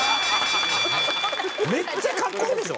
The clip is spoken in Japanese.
めっちゃ格好いいでしょ？